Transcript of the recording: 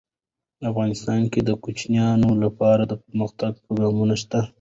افغانستان کې د کوچیانو لپاره دپرمختیا پروګرامونه شته.